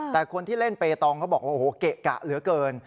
แต่คนที่เล่นเปตองเขาบอกโอ้โหเกะกะเหลือเกิน